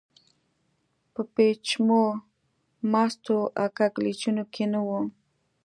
په پېچومو، مستو او کږلېچونو کې نه و.